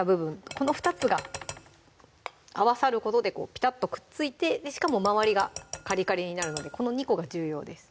この２つが合わさることでこうピタッとくっついてしかも周りがカリカリになるのでこの２個が重要です